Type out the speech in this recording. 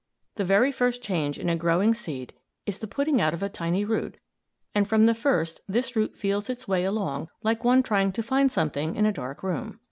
The very first change in a growing seed is the putting out of a tiny root, and from the first this root feels its way along, like one trying to find something in a dark room.